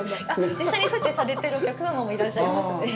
実際に、そうやってされてるお客様もいらっしゃいますね。